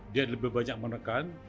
dia lebih banyak menekan